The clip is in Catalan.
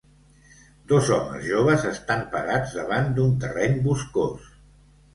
Dos homes joves estan parats davant d'un terreny boscós.